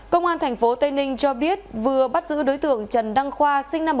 công an tp tây ninh cho biết vừa bắt giữ đối tượng trần đăng khoa sinh năm một nghìn chín trăm tám mươi